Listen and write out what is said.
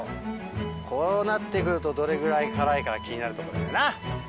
こうなってくると、どれぐらい辛いか気になるところだよな。